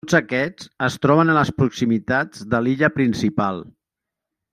Tots aquests es troben en les proximitats de l'illa principal.